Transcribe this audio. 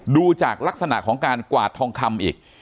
ดูจากลักษณะของการกวาดทองคำอีก